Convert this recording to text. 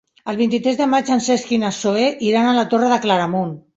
El vint-i-tres de maig en Cesc i na Zoè iran a la Torre de Claramunt.